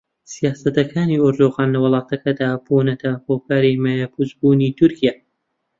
سیاسەتەکانی ئەردۆغان لە وڵاتەکەدا بوونەتە هۆکاری مایەپووچبوونی تورکیا